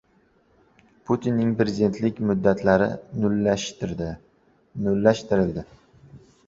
Putinning prezidentlik muddatlari «nullashtirildi»